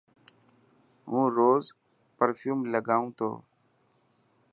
هون روز پرفيوم لگائون تو.